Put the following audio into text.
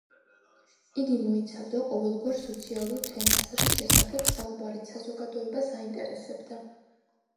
იგი მოიცავდა ყოველგვარ სოციალურ თემას, რის შესახებ საუბარიც საზოგადოებას აინტერესებდა.